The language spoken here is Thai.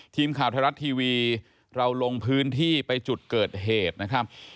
ทีมข่าวไทยรัฐทีวีเราลงพื้นที่ไปจุดเกิดเหตุนะครับ